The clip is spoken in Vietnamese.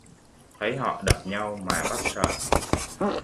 Thấy họ đập nhau mà bắt sợ